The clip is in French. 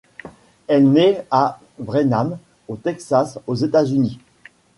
Elle naît à Brenham au Texas aux États-Unis.